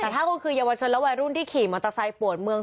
แต่ถ้าคุณคือเยาวชนและวัยรุ่นที่ขี่มอเตอร์ไซค์ปวดเมือง